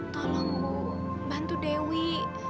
tolong bu bantu dewi